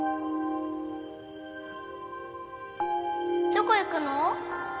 どこ行くの？